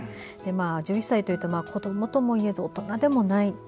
１１歳というと子どもとも言えず大人でもない。